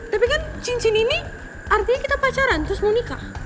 tapi kan cincin ini artinya kita pacaran terus mau nikah